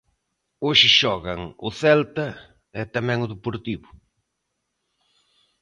Hoxe xogan o Celta e tamén o Deportivo.